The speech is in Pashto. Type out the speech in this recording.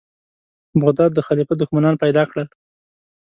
بغداد د خلیفه دښمنان پیدا کړل.